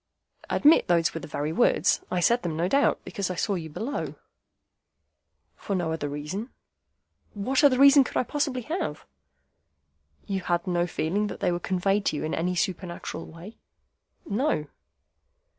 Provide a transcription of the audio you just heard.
"Admit those were the very words. I said them, no doubt, because I saw you below." "For no other reason?" "What other reason could I possibly have?" "You had no feeling that they were conveyed to you in any supernatural way?" "No."